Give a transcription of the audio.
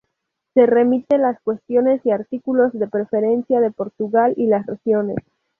Se remite las cuestiones y artículos de preferencia de Portugal y las regiones.